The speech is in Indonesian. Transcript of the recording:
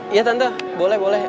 iya tante boleh boleh